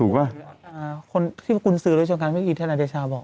คนที่กรุณซื้อต้องการพี่อีทหาราชาบอก